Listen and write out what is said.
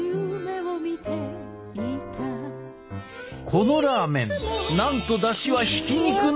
このラーメンなんとだしはひき肉のみ。